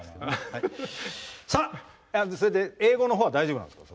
英語のほうは大丈夫なんですか？